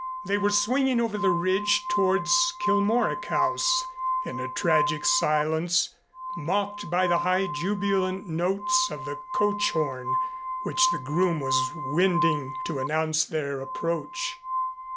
They were swinging over the ridge towards Kilmorack House in a tragic silence mocked by the high jubilant notes of the coach horn which the groom was winding to announce their approach.